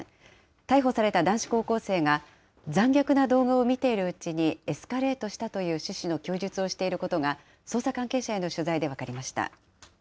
逮捕された男子高校生が、残虐な動画を見ているうちにエスカレートしたという趣旨の供述をしていることが、捜査関係者への取材で分かりました。